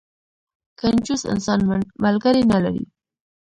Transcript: کنجوس انسان، ملګری نه لري.